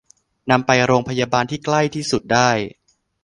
นำไปโรงพยาบาลที่ใกล้ที่สุดได้